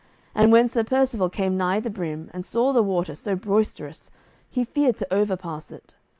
And when Sir Percivale came nigh the brim, and saw the water so boisterous, he feared to overpass it.